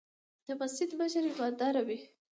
د مسجد مشر ايمانداره وي.